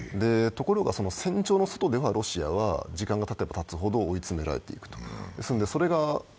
ところが戦場の外ではロシアは時間がたてばたつほど追い詰められていくと。